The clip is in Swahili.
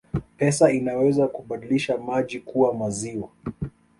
Pesa inaweza kubadilisha maji kuwa maziwa